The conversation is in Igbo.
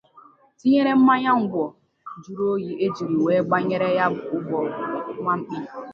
tinyere mmanya ngwọ jụrụ oyi e jiri wee gbanyere ya ụgbọ nwamkpi